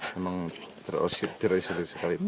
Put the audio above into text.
memang terisolir sekali